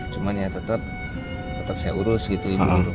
cuman ya tetap saya urus gitu